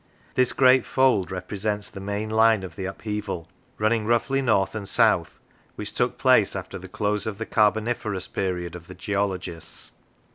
This great fold represents the main line of the upheaval, running roughly north and south, which took place after the close of the Carboniferous period of the geologists.